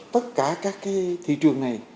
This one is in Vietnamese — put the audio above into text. tất cả các cái thị trường này